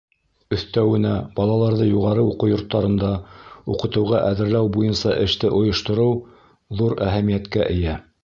Өҫтәүенә балаларҙы юғары уҡыу йорттарында уҡытыуға әҙерләү буйынса эште ойоштороу ҙур әһәмиәткә эйә.